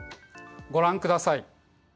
ご覧ください。